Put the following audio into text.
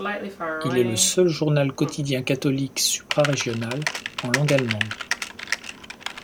Il est le seul journal quoditien catholique suprarégional en langue allemande.